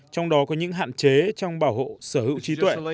trong đó có những hạn chế trong bảo hộ sở hữu trí tuệ